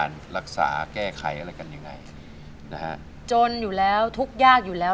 รักษาแก้ไขอะไรกันยังไงนะฮะจนอยู่แล้วทุกข์ยากอยู่แล้ว